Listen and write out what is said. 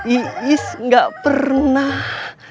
ih ih gak pernah